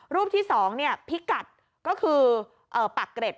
รูปที่๒พิกัดก็คือปากเกร็ด